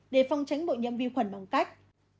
để phòng tránh bội nhiễm vi khuẩn bằng cách